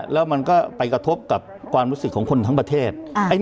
แล้วมันก็ไปกระทบกับความรู้สึกของคนทั้งประเทศ